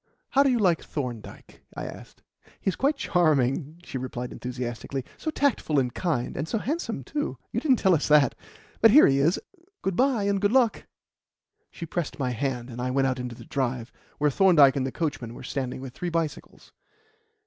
"How do you like Thorndyke?" I asked. "He is quite charming," she replied enthusiastically; "so tactful and kind, and so handsome, too. You didn't tell us that. But here he is. Good bye, and good luck." She pressed my hand, and I went out into the drive, where Thorndyke and the coachman were standing with three bicycles.